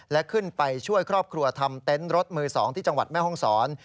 และขึ้นไปช่วยครอบครัวทำเต็นต์รถมือ๒ที่จังหวัดแม่ห้องศร